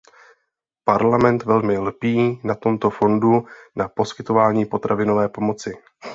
Parlament velmi lpí na tomto fondu na poskytování potravinové pomoci.